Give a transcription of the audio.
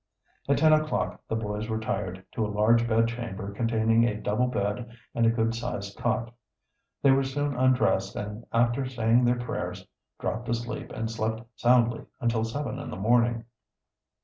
At ten o'clock the boys retired, to a large bed chamber containing a double bed and a good sized cot. They were soon undressed, and after saying their prayers dropped asleep and slept soundly until seven in the morning.